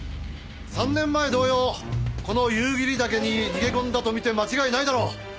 ３年前同様この夕霧岳に逃げ込んだと見て間違いないだろう。